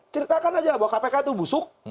ceritakan aja bahwa kpk itu busuk